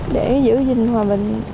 để giữ gìn hòa bình